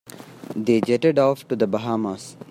They jetted off to the Bahamas.